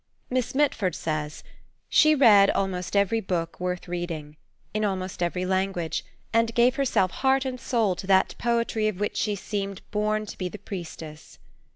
Miss Mitford says, "She read almost every book worth reading, in almost every language, and gave herself heart and soul to that poetry of which she seem born to be the priestess."